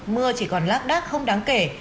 mưa chỉ còn lác đác không đáng kể